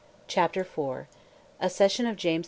CHAPTER IV. ACCESSION OF JAMES II.